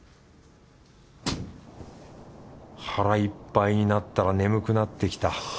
腹いっぱいになったら眠くなってきた。